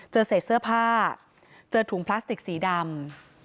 เจอเศษเสื้อผ้าเจอถุงพลาสติกสีดำ